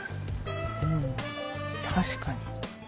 うん確かに。